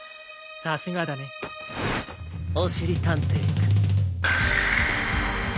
さすがだねおしりたんていくん。